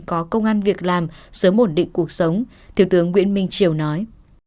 có công an việc làm sớm ổn định cuộc sống thiếu tướng nguyễn minh triều nói